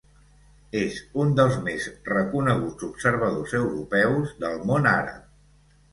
És un dels més reconeguts observadors europeus del món àrab.